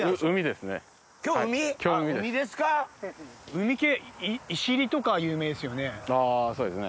海系いしりとか有名ですよね。